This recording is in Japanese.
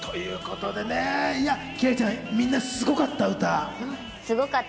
輝星ちゃん、みんなすごかった？